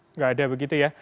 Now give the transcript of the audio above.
enggak ada begitu ya